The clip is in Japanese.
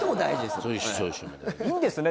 いいんですね？